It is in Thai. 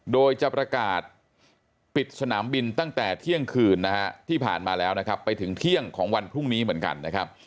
โดยจะประกาศปิดสนามบินตั้งแต่เที่ยงคืนนะฮะที่ผ่านมาแล้วนะครับไปถึงเที่ยงของวันพรุ่งนี้เหมือนกันนะครับ